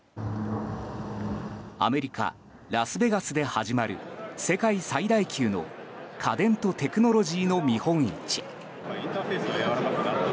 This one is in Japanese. アメリカ・ラスベガスで始まる世界最大級の家電とテクノロジーの見本市。